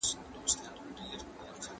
باید ټول افغانان د مطالعې فرهنګ ته وده ورکړي.